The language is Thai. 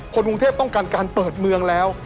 คนกรุงเทพต้องการการเปิดเมืองแล้ว